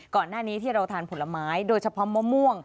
ก่อนหน้านี้ที่เราทานผลไม้โดยเฉพาะมะม่วง